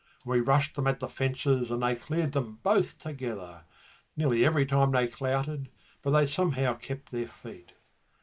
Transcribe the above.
And we rushed them at the fences, and they cleared them both together, Nearly every time they clouted, but they somehow kept their feet.